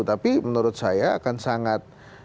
tapi menurut saya akan sangat